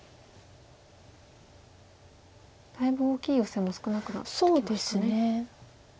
だいぶ大きいヨセも少なくなってきましたね。